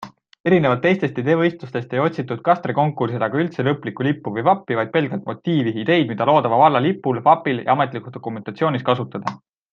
Erinevalt teistest ideevõistlustest ei otsitud Kastre konkursil aga üldse lõplikku lippu või vappi, vaid pelgalt motiivi - ideid, mida loodava valla lipul, vapil ja ametlikus dokumentatsioonis kasutada.